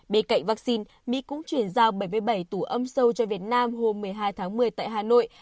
bên cạnh vaccine mỹ cũng chuyển giao bảy mươi bảy tủ âm sâu cho việt nam hôm một mươi hai tháng một mươi tại hà nội